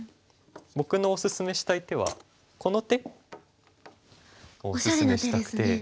僕のおすすめしたい手はこの手をおすすめしたくて。